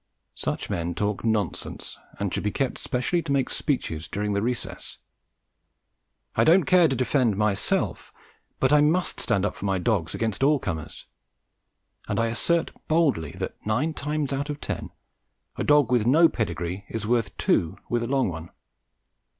Such men talk nonsense and should be kept specially to make speeches during the recess. I don't care to defend myself but I must stand up for my dogs against all comers; and I assert boldly that, nine times out of ten, a dog with no pedigree is worth two with a long one.